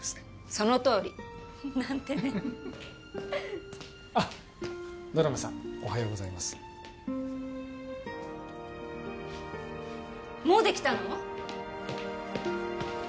そのとおり！なんてねあっドラムさんおはようございますもうできたの？